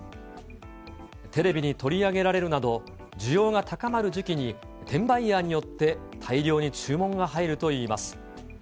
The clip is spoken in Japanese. テレビに取り上げられるなど、需要が高まる時期に、転売ヤーによって大量に注文が入るといいます。